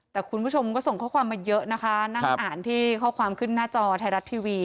แต่คุณผู้ชมก็ส่งข้อความมาเยอะนะคะนั่งอ่านที่ข้อความขึ้นหน้าจอไทยรัฐทีวี